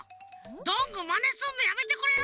どんぐーまねすんのやめてくれる？